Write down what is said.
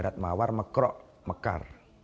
ibarat mawar mekrok mekar